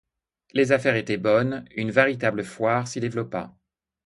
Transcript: Les affaires étant bonnes, une véritable foire s'y développa.